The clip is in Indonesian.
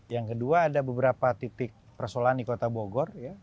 yang kedua ada beberapa titik persoalan di kota bogor